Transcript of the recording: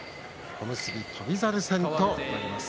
小結翔猿戦となります。